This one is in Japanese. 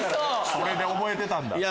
それで覚えてたんだ。